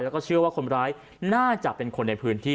แล้วก็เชื่อว่าคนร้ายน่าจะเป็นคนในพื้นที่